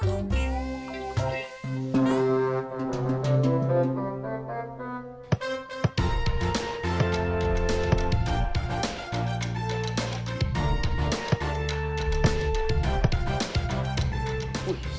ui santau begitu